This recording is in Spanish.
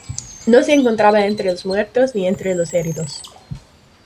No se encontraba entre los muertos ni entre los heridos.